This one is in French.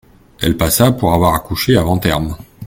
Elle passa pour avoir accouché avant terme.